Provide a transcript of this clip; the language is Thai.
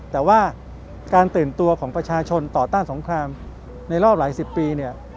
แต่ว่าการตื่นตัวของประชาชนต่อต้านสงครามในรอบหลายสิบปีเนี่ย